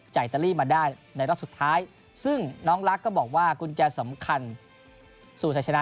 อิตาลีมาได้ในรอบสุดท้ายซึ่งน้องลักษณ์ก็บอกว่ากุญแจสำคัญสู่ชัยชนะ